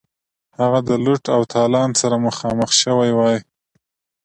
هغه د لوټ او تالان سره مخامخ شوی وای.